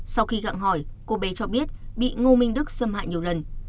sau khi gặng hỏi cô bé cho biết bị ngô minh đức xâm hại nhiều lần